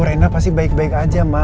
rena pasti baik baik aja ma